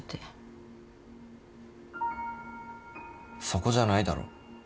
そこじゃないだろ。